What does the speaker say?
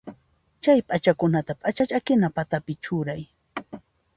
Chay p'achakunata p'acha ch'akina patapi churay.